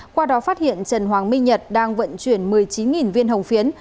qua đó phát hiện trần hoàng minh nhật đang vận chuyển một mươi chín viên hồng phiến